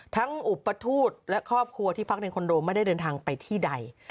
อุปทูตและครอบครัวที่พักในคอนโดไม่ได้เดินทางไปที่ใด